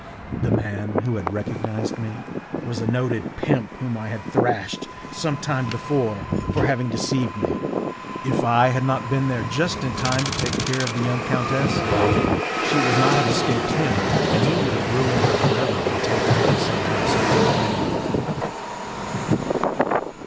The man who had recognized me was a noted pimp whom I had thrashed some time before for having deceived me. If I had not been there just in time to take care of the young countess, she would not have escaped him, and he would have ruined her for ever by taking her to some house of ill fame.